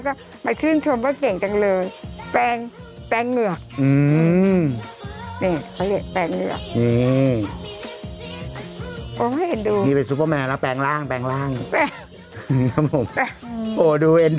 ก็มาชื่นชมว่าเก่งจังเลยแปลงเหงือก